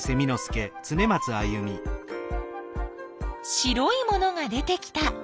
白いものが出てきた。